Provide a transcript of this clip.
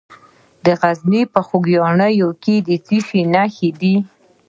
د غزني په خوږیاڼو کې د څه شي نښې دي؟